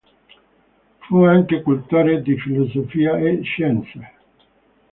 Fu anche cultore di filosofia e scienze.